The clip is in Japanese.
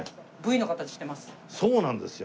そうなんですよ！